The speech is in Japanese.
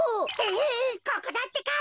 ヘヘここだってか。